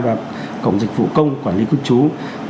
và cổng dịch vụ công quản lý cư trú